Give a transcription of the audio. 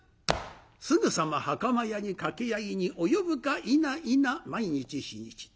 すぐさま袴屋に掛け合いに及ぶか否否毎日ひにち。